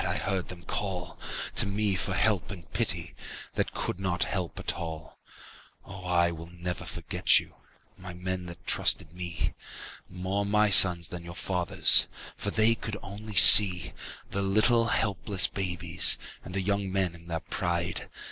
I heard them call To me for help and pity That could not help at all. Oh, never will I forget you, My men that trusted me. More my sons than your fathers'. For they could only see The little helpless babies And the young men in their pride.